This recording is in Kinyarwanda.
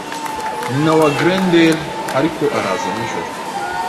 Nyina wa Grendelarikoaraza nijoro